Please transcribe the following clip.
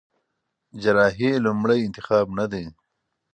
جراحي لومړی انتخاب نه دی.